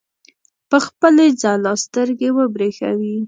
په خپلې ځلا سترګې وبرېښوي.